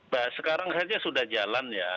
nah sekarang saja sudah jalan ya